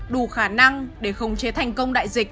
đủ khả năng để khống chế thành công đại dịch